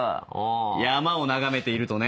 山を眺めているとね。